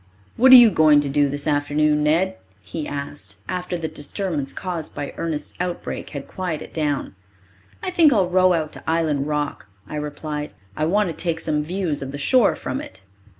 "What are you going to do this afternoon, Ned?" he asked, after the disturbance caused by Ernest's outbreak had quieted down. "I think I'll row out to Island Rock," I replied. "I want to take some views of the shore from it."